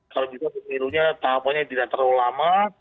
kalau bisa pemilunya tahapannya tidak terlalu lama